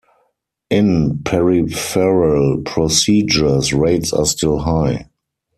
In peripheral procedures, rates are still high.